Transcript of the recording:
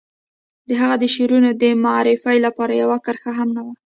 د هغه د شعرونو د معرفي لپاره يوه کرښه هم نه وه.